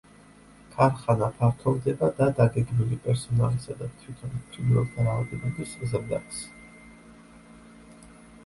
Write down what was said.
ქარხანა ფართოვდება და დაგეგმილი, პერსონალისა და თვითონ ფრინველთა რაოდენობის ზრდაც.